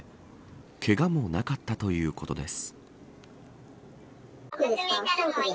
けがもなかったということです。